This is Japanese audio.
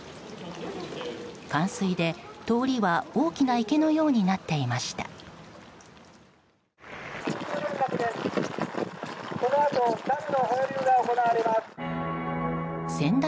冠水で、通りは大きな池のようになっていました。